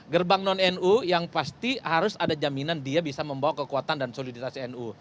gerbang non nu yang pasti harus ada jaminan dia bisa membawa kekuatan dan soliditas nu